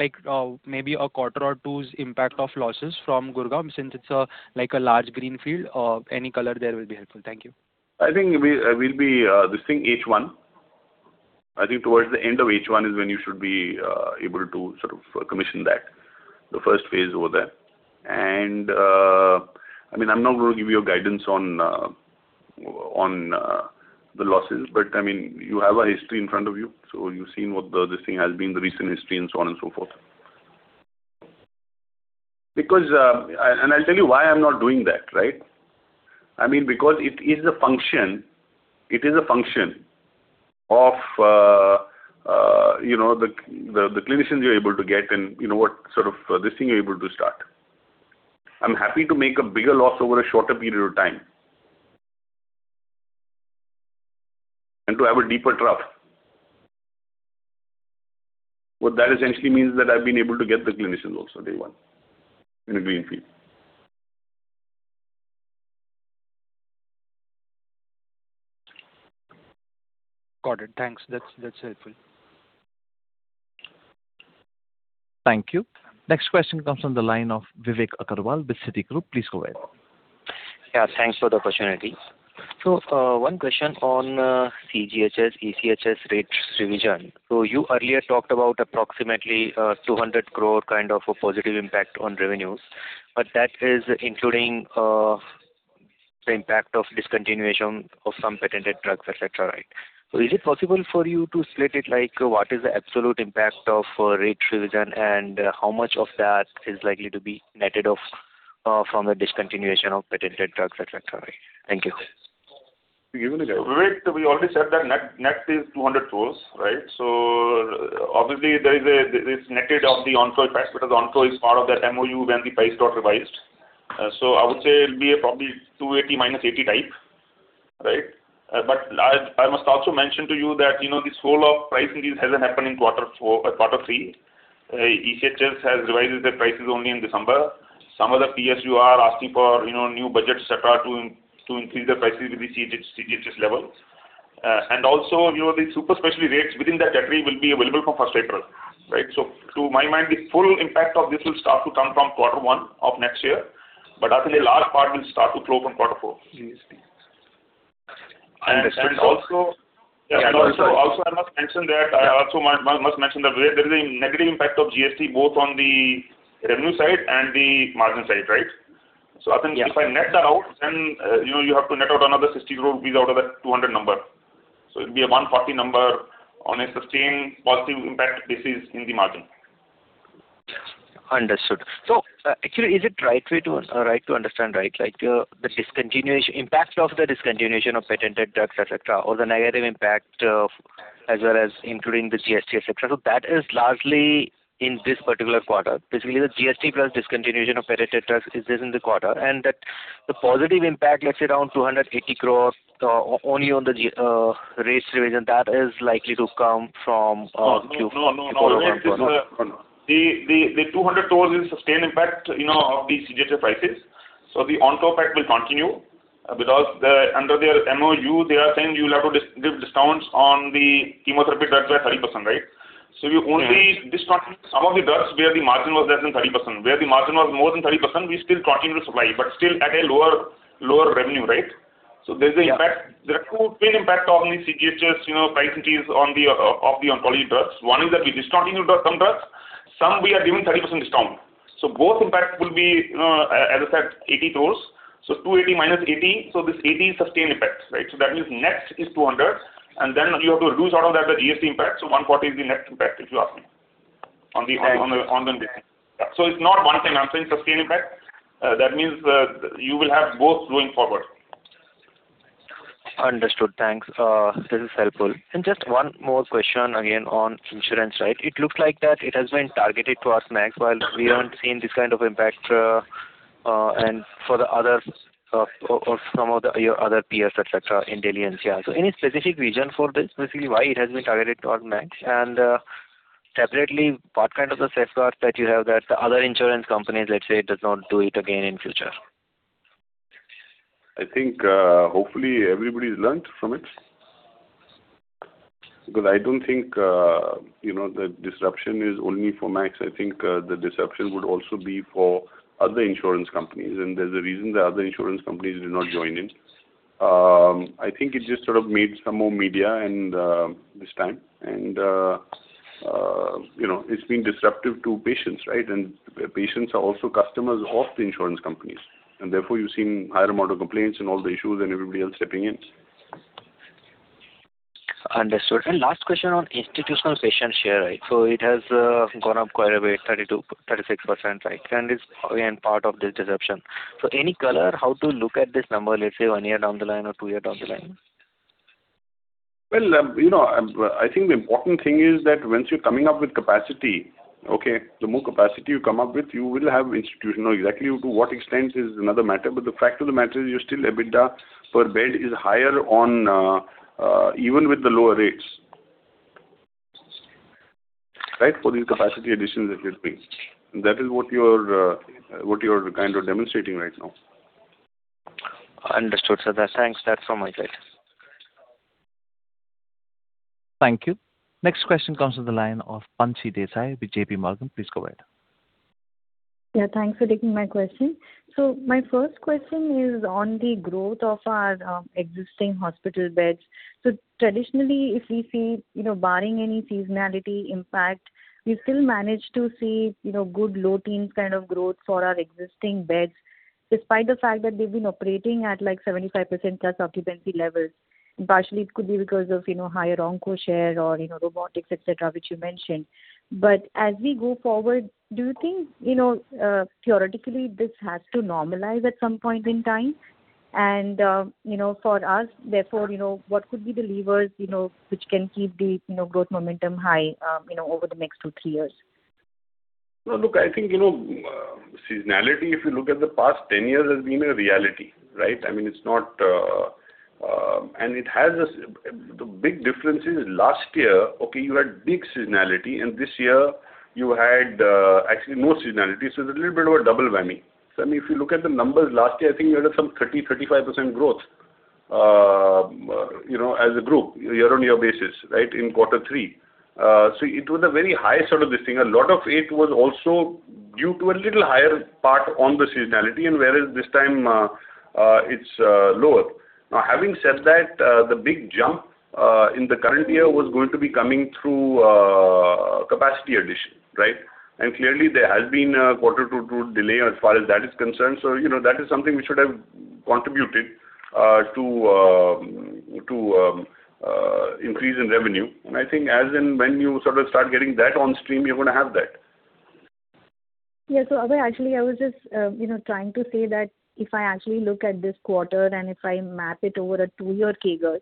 maybe a quarter or two's impact of losses from Gurugram since it's a large greenfield? Any color there will be helpful. Thank you. I think this thing, H1, I think towards the end of H1 is when you should be able to sort of commission that, the first phase over there. And I mean, I'm not going to give you guidance on the losses, but I mean, you have a history in front of you. So you've seen what this thing has been, the recent history, and so on and so forth. And I'll tell you why I'm not doing that, right? I mean, because it is a function it is a function of the clinicians you're able to get and what sort of this thing you're able to start. I'm happy to make a bigger loss over a shorter period of time and to have a deeper trough. What that essentially means is that I've been able to get the clinicians also, day one, in a greenfield. Got it. Thanks. That's helpful. Thank you. Next question comes from the line of Vivek Agarwal with Citigroup. Please go ahead. Yeah. Thanks for the opportunity. So one question on CGHS, ECHS rates revision. So you earlier talked about approximately 200 crore kind of a positive impact on revenues, but that is including the impact of discontinuation of some patented drugs, etc., right? So is it possible for you to split it? What is the absolute impact of rate revision, and how much of that is likely to be netted from the discontinuation of patented drugs, etc.? Thank you. Give me a guidance. Vivek, we already said that net is 200 crore, right? So obviously, there is this netted of the onco part because onco is part of that MOU when the price got revised. So I would say it'll be probably 280 minus 80 type, right? But I must also mention to you that this whole of pricing hasn't happened in quarter three. ECHS has revised their prices only in December. Some of the PSU are asking for new budgets, etc., to increase their prices with the CGHS levels. And also, the super specialty rates within that category will be available from 1st April, right? So to my mind, the full impact of this will start to come from quarter one of next year, but I think a large part will start to flow from quarter four. GST. I understand. Also, I must mention that I also must mention that there is a negative impact of GST both on the revenue side and the margin side, right? So I think if I net that out, then you have to net out another 60 crore rupees out of that 200 crore number. So it'll be a 140 crore number on a sustained positive impact basis in the margin. Understood. So actually, is it right to understand, right? The impact of the discontinuation of patented drugs, etc., or the negative impact as well as including the GST, etc.? So that is largely in this particular quarter. Basically, the GST plus discontinuation of patented drugs is this in the quarter. And the positive impact, let's say, around 280 crore only on the rates revision, that is likely to come from Q4. No. No. No. No. The INR 200 crore is a sustained impact of the CGHS prices. So the onco pack will continue because under their MOU, they are saying you'll have to give discounts on the chemotherapy drugs by 30%, right? So you only discontinue some of the drugs where the margin was less than 30%. Where the margin was more than 30%, we still continue to supply, but still at a lower revenue, right? So there's a two main impact of the CGHS price increase of the onco drugs. One is that we discontinue some drugs. Some, we are giving 30% discount. So both impacts will be, as I said, 80 crore. So 280 crore minus 80 crore. So this 80 crore is sustained impact, right? So that means net is 200 crore, and then you have to reduce out of that the GST impact. 140 is the net impact if you ask me on this thing. Yeah. It's not one-time. I'm saying sustained impact. That means you will have both going forward. Understood. Thanks. This is helpful. Just one more question again on insurance, right? It looks like that it has been targeted towards Max while we aren't seeing this kind of impact for some of your other peers, etc., intelligence. Yeah. So any specific reason for this, basically, why it has been targeted towards Max? And separately, what kind of a safeguard that you have that the other insurance companies, let's say, does not do it again in future? I think hopefully, everybody's learned from it because I don't think the disruption is only for Max. I think the disruption would also be for other insurance companies. There's a reason the other insurance companies did not join in. I think it just sort of made some more media this time. It's been disruptive to patients, right? Patients are also customers of the insurance companies. Therefore, you've seen higher amount of complaints and all the issues and everybody else stepping in. Understood. Last question on institutional patient share, right? It has gone up quite a bit, 36%, right? It's again part of this disruption. Any color, how to look at this number, let's say, one year down the line or two years down the line? Well, I think the important thing is that once you're coming up with capacity, okay, the more capacity you come up with, you will have institutional exactly to what extent is another matter. But the fact of the matter is you're still EBITDA per bed is higher even with the lower rates, right, for these capacity additions that you're doing. And that is what you're kind of demonstrating right now. Understood, sir. Thanks. That's all my side. Thank you. Next question comes from the line of Bansi Desai with JPMorgan. Please go ahead. Yeah. Thanks for taking my question. So my first question is on the growth of our existing hospital beds. So traditionally, if we see barring any seasonality impact, we still manage to see good low-teens kind of growth for our existing beds despite the fact that they've been operating at 75%-plus occupancy levels. And partially, it could be because of higher oncology share or robotics, etc., which you mentioned. But as we go forward, do you think theoretically, this has to normalize at some point in time? And for us, therefore, what could be the levers which can keep the growth momentum high over the next two, three years? Well, look, I think seasonality, if you look at the past 10 years, has been a reality, right? I mean, it's not and it has the big difference is last year, okay, you had big seasonality, and this year, you had actually no seasonality. So it's a little bit of a double whammy. So I mean, if you look at the numbers last year, I think you had some 30%-35% growth as a group year-on-year basis, right, in quarter three. So it was a very high sort of this thing. A lot of it was also due to a little higher part on the seasonality, and whereas this time, it's lower. Now, having said that, the big jump in the current year was going to be coming through capacity addition, right? And clearly, there has been a quarter to two delay as far as that is concerned. That is something which would have contributed to increase in revenue. I think as in when you sort of start getting that on stream, you're going to have that. Yeah. So actually, I was just trying to say that if I actually look at this quarter and if I map it over a two-year CAGR,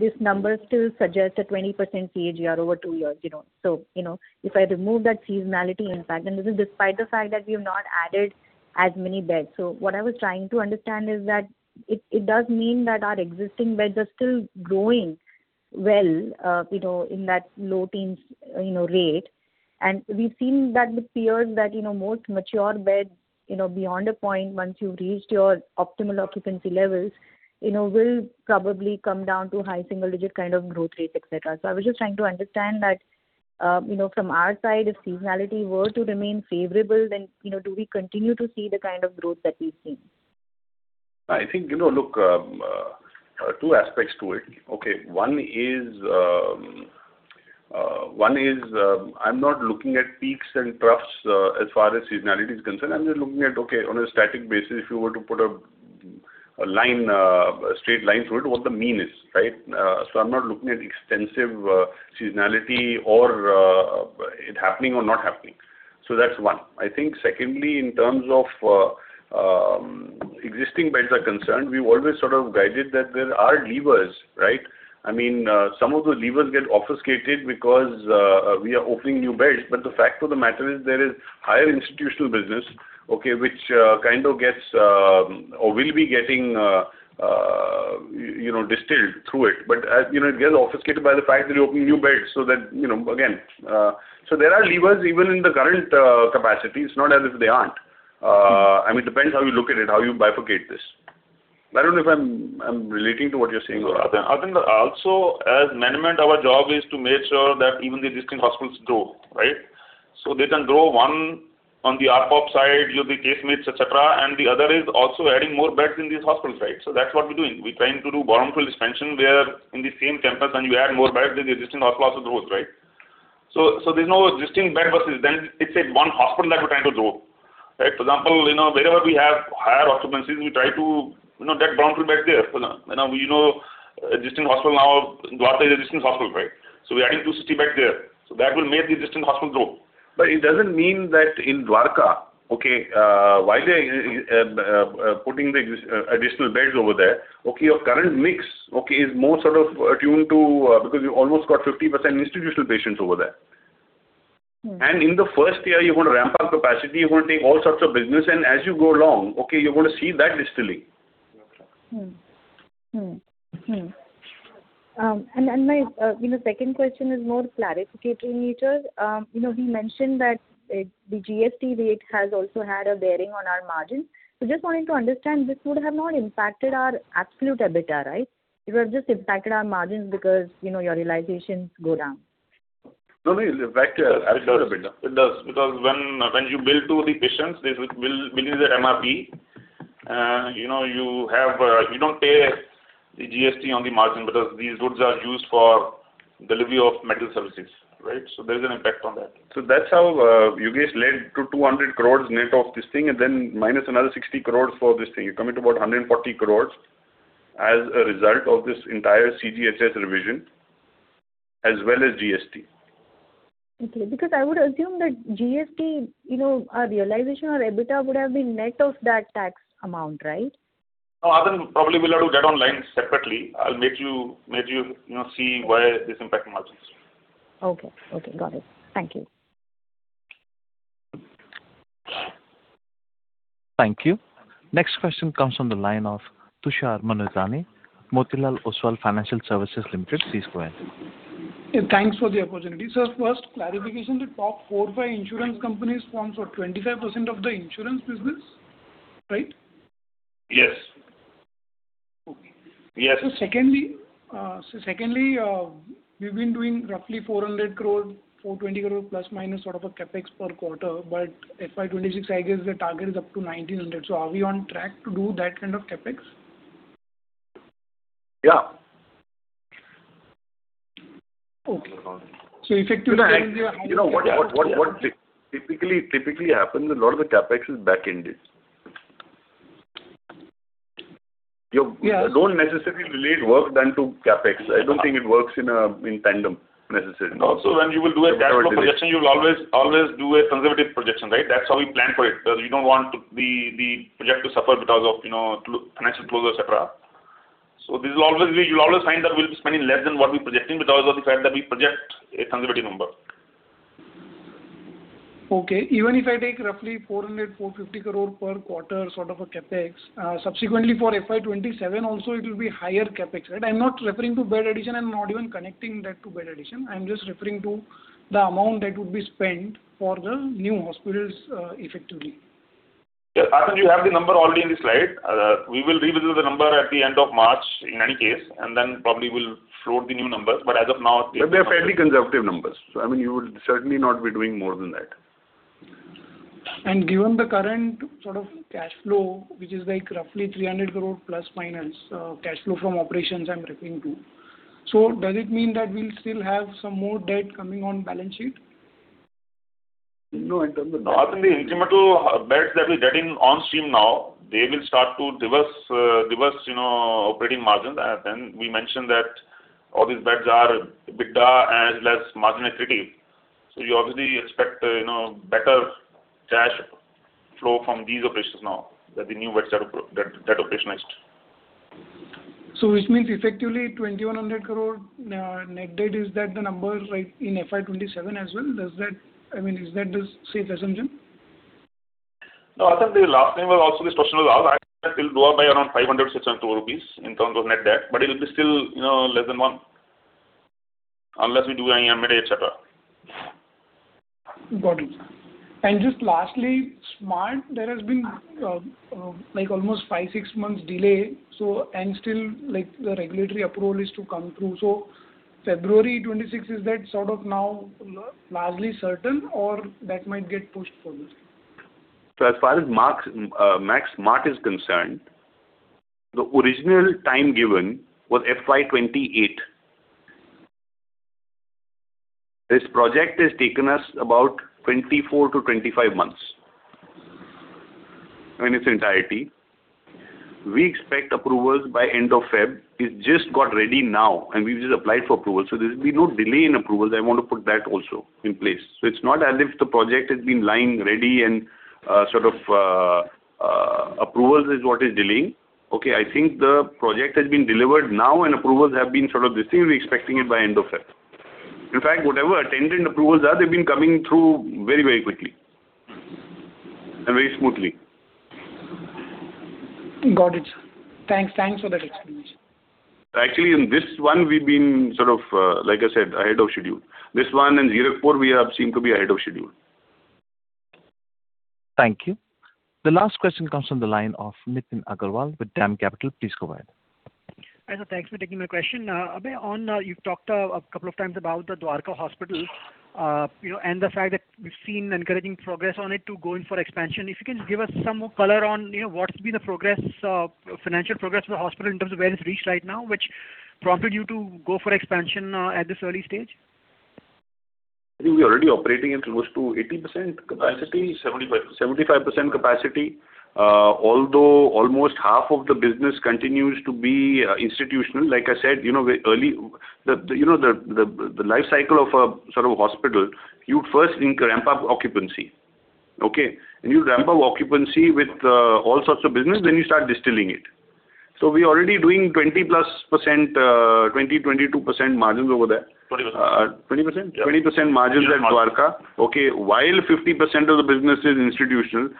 this number still suggests a 20% CAGR over two years. So if I remove that seasonality impact, and this is despite the fact that we have not added as many beds. So what I was trying to understand is that it does mean that our existing beds are still growing well in that low-teens rate. And we've seen that with peers that most mature beds beyond a point, once you've reached your optimal occupancy levels, will probably come down to high single-digit kind of growth rates, etc. So I was just trying to understand that from our side, if seasonality were to remain favorable, then do we continue to see the kind of growth that we've seen? I think, look, two aspects to it. Okay, one is I'm not looking at peaks and troughs as far as seasonality is concerned. I'm just looking at, okay, on a static basis, if you were to put a straight line through it, what the mean is, right? So I'm not looking at extensive seasonality or it happening or not happening. So that's one. I think, secondly, in terms of existing beds are concerned, we've always sort of guided that there are levers, right? I mean, some of those levers get obfuscated because we are opening new beds. But the fact of the matter is there is higher institutional business, okay, which kind of gets or will be getting distilled through it. But it gets obfuscated by the fact that you're opening new beds so that again, so there are levers even in the current capacity. It's not as if they aren't. I mean, it depends how you look at it, how you bifurcate this. I don't know if I'm relating to what you're saying or not. I think also, as management, our job is to make sure that even the existing hospitals grow, right? So they can grow, one, on the ARPOB side, the case mix, etc., and the other is also adding more beds in these hospitals, right? So that's what we're doing. We're trying to do brownfield expansion where in the same campus, when you add more beds, then the existing hospital also grows, right? So there's no existing bed versus new; it's one hospital that we're trying to grow, right? For example, wherever we have higher occupancies, we try to get brownfield beds there. For example, we have an existing hospital now, Dwarka, is an existing hospital, right? So we're adding 260 beds there. So that will make the existing hospital grow. But it doesn't mean that in Dwarka, okay, while they're putting the additional beds over there, okay, your current mix, okay, is more sort of attuned to because you almost got 50% institutional patients over there. And in the first year, you're going to ramp up capacity. You're going to take all sorts of business. And as you go along, okay, you're going to see that distilling. Okay. And my second question is more clarificatory in nature. We mentioned that the GST rate has also had a bearing on our margins. So just wanting to understand, this would have not impacted our absolute EBITDA, right? It would have just impacted our margins because your realizations go down. No, no. In fact, I'll show you EBITDA. It does because when you bill to the patients, they will bill you their MRP. You don't pay the GST on the margin because these goods are used for delivery of medical services, right? So there is an impact on that. So that's how Yogesh led to 200 crore net of this thing and then minus another 60 crore for this thing. You come into about 140 crore as a result of this entire CGHS revision as well as GST. Okay. Because I would assume that GST, our realization, our EBITDA would have been net of that tax amount, right? No, I think probably we'll have to get online separately. I'll make you see why this impacts margins. Okay. Okay. Got it. Thank you. Thank you. Next question comes from the line of Tushar Manudhane, Motilal Oswal Financial Services Limited, please go ahead. Yeah. Thanks for the opportunity. Sir, first clarification, the top 4, 5 insurance companies form 25% of the insurance business, right? Yes. Yes. So secondly, we've been doing roughly 400 crore, 420 crore plus minus sort of a CapEx per quarter, but FY26, I guess the target is up to 1,900. So are we on track to do that kind of CapEx? Yeah. Okay. So effectively, there is a higher CapEx. You know what typically happens, a lot of the CapEx is back-ended. You don't necessarily relate work done to CapEx. I don't think it works in tandem. Necessarily. Also, when you will do a cash flow projection, you will always do a conservative projection, right? That's how we plan for it because you don't want the project to suffer because of financial closure, etc. So this will always be. You'll always find that we'll be spending less than what we're projecting because of the fact that we project a conservative number. Okay. Even if I take roughly 400-450 crore per quarter sort of a CapEx, subsequently for FY 2027 also, it will be higher CapEx, right? I'm not referring to bed addition and not even connecting that to bed addition. I'm just referring to the amount that would be spent for the new hospitals effectively. Yeah. I think you have the number already in the slide. We will revisit the number at the end of March in any case, and then probably we'll float the new numbers. But as of now, it's. They are fairly conservative numbers. I mean, you would certainly not be doing more than that. Given the current sort of cash flow, which is roughly 300 crore ± cash flow from operations I'm referring to, so does it mean that we'll still have some more debt coming on balance sheet? No. In terms of the incremental beds that we get in on stream now, they will start to reverse operating margins. And then we mentioned that all these beds are EBITDA-accretive less margin equity. So you obviously expect better cash flow from these operations now that the new beds that operationalized. Which means effectively, 2,100 crore net debt is the number in FY27 as well. I mean, is that the safe assumption? No. I think the last thing was also this question was asked, it'll go up by around 500-600 rupees in terms of net debt, but it'll be still less than one unless we do any M&A, etc. Got it. And just lastly, Smart, there has been almost five-six months delay, and still the regulatory approval is to come through. So February 26 is that sort of now largely certain, or that might get pushed further? So as far as Max Smart is concerned, the original time given was FY 2028. This project has taken us about 24-25 months in its entirety. We expect approvals by end of February. It's just got ready now, and we've just applied for approvals. So there will be no delay in approvals. I want to put that also in place. So it's not as if the project has been lying ready and sort of approvals is what is delaying. Okay, I think the project has been delivered now, and approvals have been sort of this thing. We're expecting it by end of February. In fact, whatever attendant approvals are, they've been coming through very, very quickly and very smoothly. Got it, sir. Thanks. Thanks for that explanation. Actually, in this one, we've been sort of, like I said, ahead of schedule. This one and Zirakpur, we have seemed to be ahead of schedule. Thank you. The last question comes from the line of Nitin Agarwal with DAM Capital. Please go ahead. Hi, sir. Thanks for taking my question. Abhay, you've talked a couple of times about the Dwarka Hospital and the fact that we've seen encouraging progress on it to go in for expansion. If you can just give us some color on what's been the financial progress for the hospital in terms of where it's reached right now, which prompted you to go for expansion at this early stage? I think we're already operating in close to 80% capacity, 75% capacity, although almost half of the business continues to be institutional. Like I said, early the life cycle of a sort of hospital, you'd first ramp up occupancy, okay? And you'd ramp up occupancy with all sorts of business, then you start distilling it. So we're already doing 20%+, 20%-22% margins over there. 20%? 20%. 20% margins at Dwarka, okay? While 50% of the business is institutional,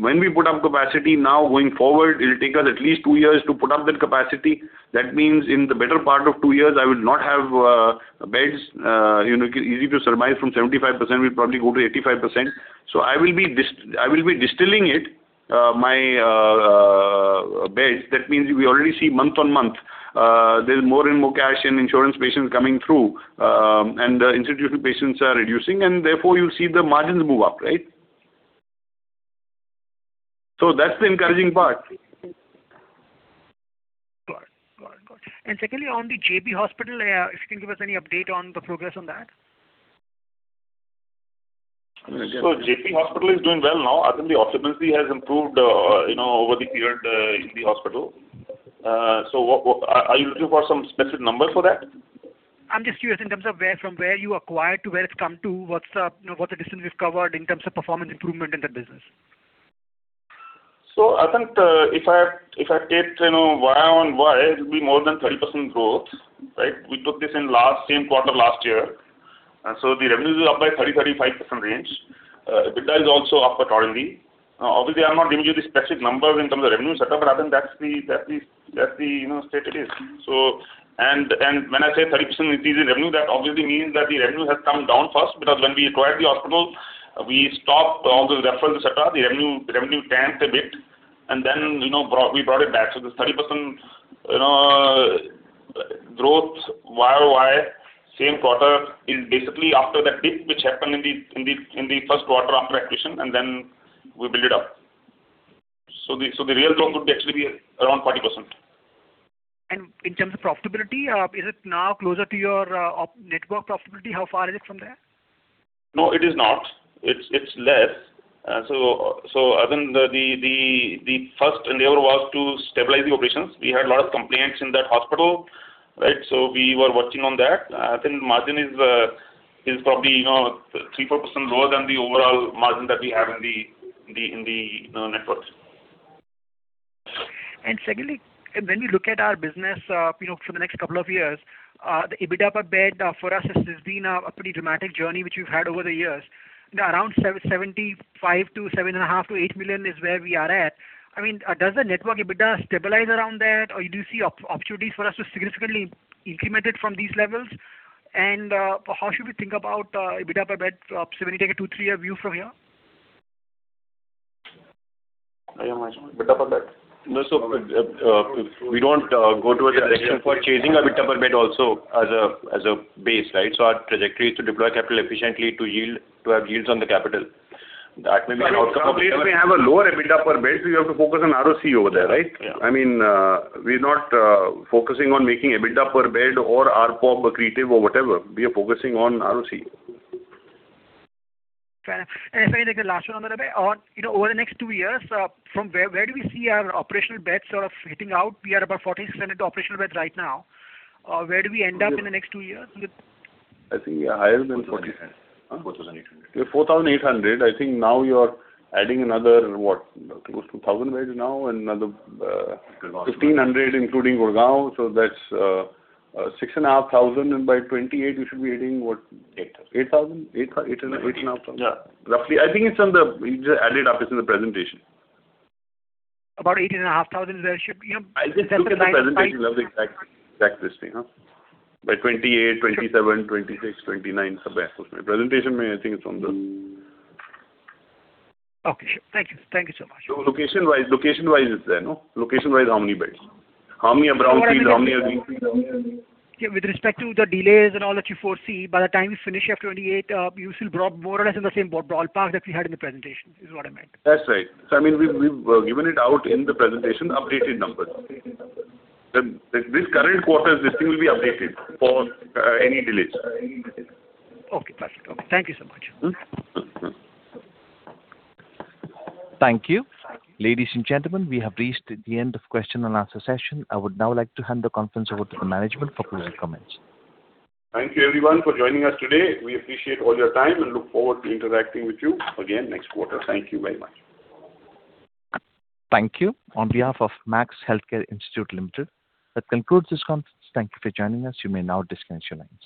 when we put up capacity now going forward, it'll take us at least two years to put up that capacity. That means in the better part of two years, I will not have beds easy to survive from 75%. We'll probably go to 85%. So I will be distilling my beds. That means we already see month-on-month there's more and more cash and insurance patients coming through, and the institutional patients are reducing. And therefore, you'll see the margins move up, right? So that's the encouraging part. Got it. Got it. Got it. And secondly, on the Jaypee Hospital, if you can give us any update on the progress on that? So Jaypee Hospital is doing well now. I think the occupancy has improved over the period in the hospital. So are you looking for some specific number for that? I'm just curious in terms of from where you acquired to where it's come to, what's the distance we've covered in terms of performance improvement in that business? So I think if I take Y-on-Y, it'll be more than 30% growth, right? We took this in last same quarter last year. So the revenues are up by 30%-35% range. EBITDA is also up similarly. Obviously, I'm not giving you the specific numbers in terms of revenue, etc., but I think that's the state it is. And when I say 30% increase in revenue, that obviously means that the revenue has come down first because when we acquired the hospital, we stopped all those referrals, etc. The revenue tanked a bit, and then we brought it back. So this 30% growth Y-on-Y, same quarter, is basically after that dip which happened in the first quarter after acquisition, and then we built it up. So the real growth would actually be around 40%. In terms of profitability, is it now closer to your network profitability? How far is it from there? No, it is not. It's less. So I think the first endeavor was to stabilize the operations. We had a lot of complaints in that hospital, right? So we were watching on that. I think the margin is probably 3%-4% lower than the overall margin that we have in the network. Secondly, when we look at our business for the next couple of years, the EBITDA per bed for us has been a pretty dramatic journey which we've had over the years. Around 7.5 million-8 million is where we are at. I mean, does the network EBITDA stabilize around that, or do you see opportunities for us to significantly increment it from these levels? And how should we think about EBITDA per bed? So when you take a two three-year view from here. Yeah, Max. EBITDA per bed? No, so we don't go to a direction for chasing EBITDA per bed also as a base, right? So our trajectory is to deploy capital efficiently to have yields on the capital. That may be an outcome of EBITDA. In some places, we have a lower EBITDA per bed, so you have to focus on ROC over there, right? I mean, we're not focusing on making EBITDA per bed or ARPOB accretive or whatever. We are focusing on ROC. Got it. And if I can take the last one on that, Abhay, over the next two years, where do we see our operational beds sort of hitting out? We are about 46% into operational beds right now. Where do we end up in the next two years? I think higher than 400. 4,800. Yeah, 4,800. I think now you're adding another close to 1,000 beds now and another 1,500 including Gurgaon. So that's 6,500, and by 2028, you should be hitting what? 8,000. 8,000? 8,500? Yeah, roughly. I think it's on the one you just added up. It's in the presentation. About 8,500 is where it should be? I just looked at the presentation. I love the exact listing, huh? By 2028, 2027, 2026, 2029, somewhere across there. Presentation maybe, I think it's on the. Okay. Thank you. Thank you so much. So location-wise, it's there, no? Location-wise, how many beds? How many are brownfield? How many are greenfield? How many are green? Yeah. With respect to the delays and all that you foresee, by the time we finish FY28, you still brought more or less in the same ballpark that we had in the presentation is what I meant. That's right. So I mean, we've given it out in the presentation, updated numbers. This current quarter, this thing will be updated for any delays. Okay. Perfect. Okay. Thank you so much. Thank you. Ladies and gentlemen, we have reached the end of question-and-answer session. I would now like to hand the conference over to the management for closing comments. Thank you, everyone, for joining us today. We appreciate all your time and look forward to interacting with you again next quarter. Thank you very much. Thank you on behalf of Max Healthcare Institute Limited. That concludes this conference. Thank you for joining us. You may now disconnect your lines.